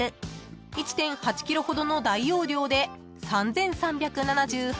［１．８ｋｇほどの大容量で３，３７８円］